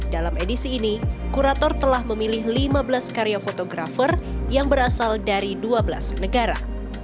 dalam edisi ini kurator telah memilih lima belas karya fotografer yang berasal dari dua belas negara